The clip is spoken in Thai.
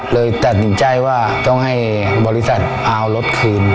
เลยตัดสินใจว่าต้องให้บริษัทเอารถคืน